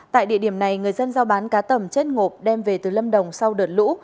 tại địa điểm này người dân giao bán cá tầm chết ngộp đem về từ lâm đồng sau đợt lũ